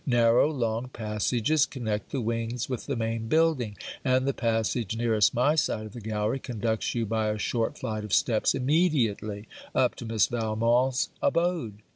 Narrow long passages connect the wings with the main building; and the passage nearest my side of the gallery, conducts you by a short flight of steps immediately up to Miss Valmont's abode.